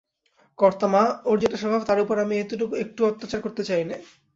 কর্তা-মা, ওঁর যেটা স্বভাব তার উপর আমি একটুও অত্যাচার করতে চাই নে।